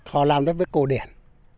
họ làm đến với cổ điển